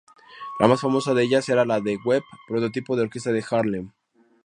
La más famosa de ellas era la de Webb, prototipo de "orquesta de Harlem".